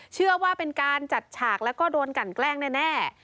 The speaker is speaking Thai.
เชื่อว่าเป็นการจัดฉากแล้วก็โดนกันแกล้งแน่